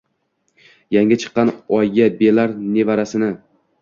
yangi chiqqan oyga belar nevarasini